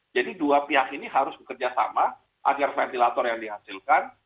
jadi dua pihak ini harus bekerja sama agar ventilator yang dihasilkan